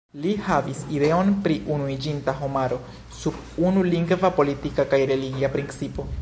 Li havis ideon pri unuiĝinta homaro sub unu lingva, politika kaj religia principo.